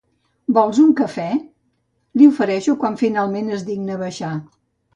Vols un cafè? —li ofereixo quan finalment es digna a baixar.